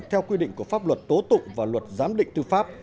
theo quy định của pháp luật tố tụng và luật giám định tư pháp